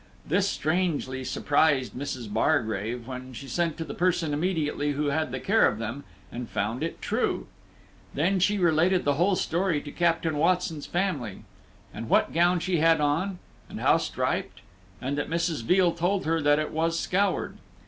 This strangely surprised Mrs. Bargrave, when she sent to the person immediately who had the care of them, and found it true. Then she related the whole story to Captain Watson's family; and what gown she had on, and how striped; and that Mrs. Veal told her that it was scoured.